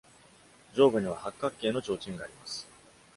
上部には八角形の提灯があります。